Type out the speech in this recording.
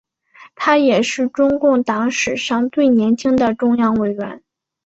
他也是中共党史上最年轻的中央委员。